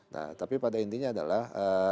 nah tapi pada intinya adalah